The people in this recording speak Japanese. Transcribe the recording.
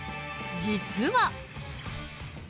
実は。